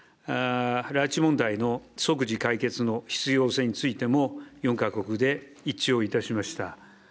拉致問題の即時解決の必要性についても、４か国で一致をいたしました。